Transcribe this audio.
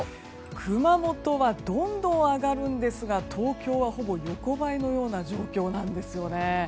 熊本はどんどん上がるんですが東京は、ほぼ横ばいのような状況なんですよね。